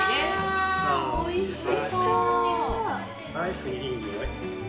わおいしそう！